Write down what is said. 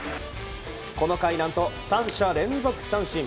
この回何と３者連続三振。